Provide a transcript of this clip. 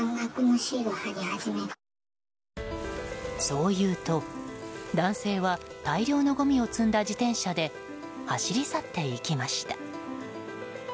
そう言うと、男性は大量のごみを積んだ自転車で走り去っていきました。